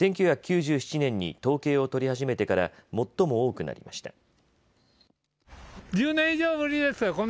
１９９７年に統計を取り始めてから最も多くなりました。